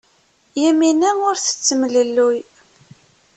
Yamina ur tettemlelluy.